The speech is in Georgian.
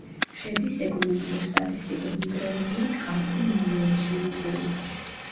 შედის ეკონომიკურ-სტატისტიკურ მიკრორეგიონ კამპუ-მაიორის შემადგენლობაში.